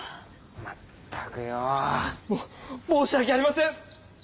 まったくよ！ももうしわけありません！